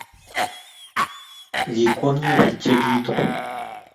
Kikwongyo biik chegiitu